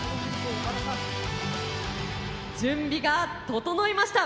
準備が整いました。